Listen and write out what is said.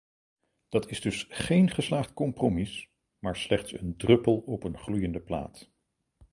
Dat is dus geen geslaagd compromis, maar slechts een druppel op een gloeiende plaat.